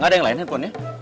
gak ada yang lain handphonenya